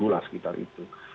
lima puluh lah sekitar itu